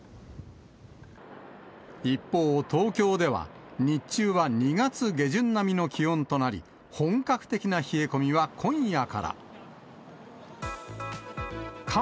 一方、東京では、日中は２月下旬並みの気温となり、本格的な冷え込みは今夜から。